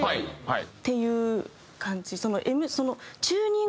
っていう感じ。